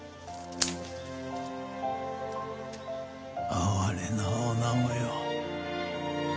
哀れな女子よ。